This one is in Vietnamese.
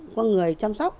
có người chăm sóc